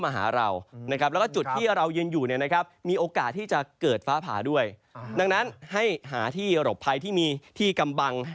ให้หาที่หลบพลายที่มีที่กำบัง